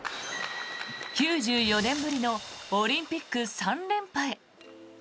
９４年ぶりのオリンピック３連覇へ。